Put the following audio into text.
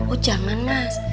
oh jangan mas